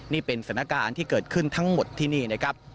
นี่เป็นสถานการณ์ที่เกิดขึ้นทั้งหมดที่นี่นะครับ